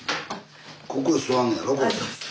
ここへ座んのやろ？